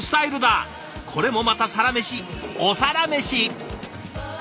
これもまたサラメシお皿メシ！